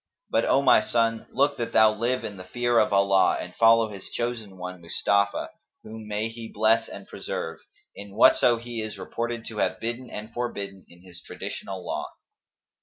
But, O my son, look that thou live in the fear of Allah and follow His Chosen One, Mustafa, (whom may He bless and preserve!) in whatso he is reported to have bidden and forbidden in his traditional law.